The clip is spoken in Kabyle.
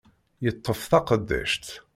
Yeṭṭef taqeddact.